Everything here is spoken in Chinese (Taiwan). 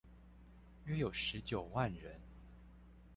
約有十九萬人